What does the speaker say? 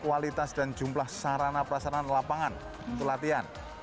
kualitas dan jumlah sarana perasanan lapangan pelatihan